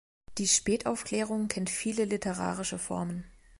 Die Spätaufklärung kennt viele literarische Formen.